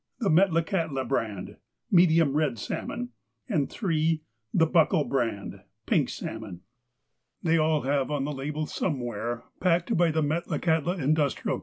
The ''Metlakahtla Brand" (medium red salmon). 3. The '' Buckle Brand " (pink salmon). They have all on the label somewhere :'' Packed by the Metlakahtla Industrial Co.